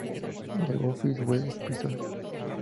The Office Web Episode